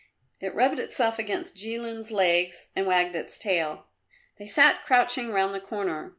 It rubbed itself against Jilin's legs and wagged its tail. They sat crouching round the corner.